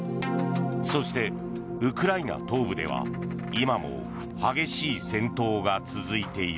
そして、ウクライナ東部では今も激しい戦闘が続いている。